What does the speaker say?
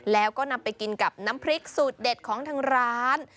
แล้วก็นำไปกินกับน้ำพริกสูตรเด็ดของทางร้าน